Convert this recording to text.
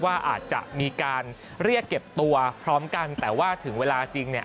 ว่าอาจจะมีการเรียกเก็บตัวพร้อมกันแต่ว่าถึงเวลาจริงเนี่ย